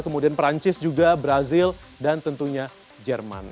kemudian perancis juga brazil dan tentunya jerman